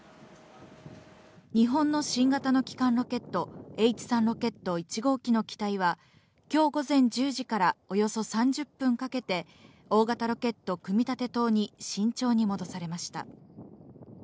日本の新型の基幹ロケット、Ｈ３ロケット１号機の機体は今日午前１０時から、およそ３０分かけて大型ロケット組み立て棟に慎重に戻されました。